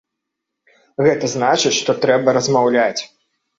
Гэта значыць, што трэба размаўляць.